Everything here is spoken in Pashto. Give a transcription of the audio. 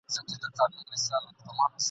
په خپل جنت کي سره دوخونه !.